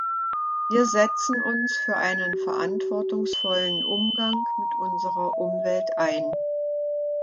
Wir setzen uns für einen verantwortungsvollen Umgang mit unserer Umwelt ein.